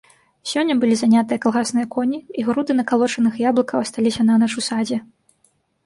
Сёння былі занятыя калгасныя коні, і груды накалочаных яблыкаў асталіся нанач у садзе.